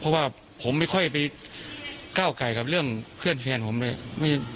คือว่าผมไม่ค่อยไปก้าวไกลกับเรื่องเพื่อนแฟนมันด้วย